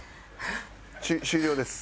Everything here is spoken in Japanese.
終了です。